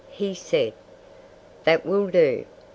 "He said " "That will do!"